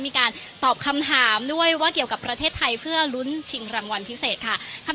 มีการตอบคำถามด้วยว่าเกี่ยวกับประเทศไทยเพื่อลุ้นชิงรางวัลพิเศษค่ะ